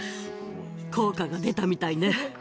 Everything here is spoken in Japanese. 効果が出たみたいね。